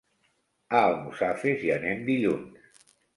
A Almussafes hi anem dilluns.